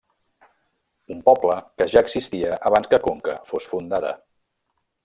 Un poble que ja existia abans que Conca fos fundada.